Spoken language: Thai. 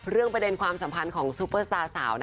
ประเด็นความสัมพันธ์ของซูเปอร์สตาร์สาว